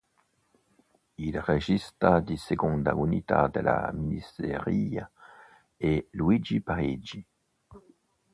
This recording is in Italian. Il regista di seconda unità della miniserie è Luigi Parisi.